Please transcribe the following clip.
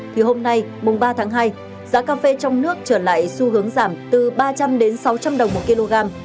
thì hôm nay mùng ba tháng hai giá cà phê trong nước trở lại xu hướng giảm từ ba trăm linh đến sáu trăm linh đồng một kg